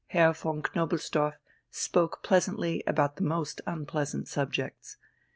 Herr von Knobelsdorff spoke pleasantly about the most unpleasant subjects.